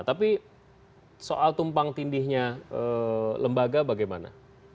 tapi soal tumpang tindihnya lembaga bagaimana